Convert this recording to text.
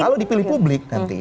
kalau dipilih publik nanti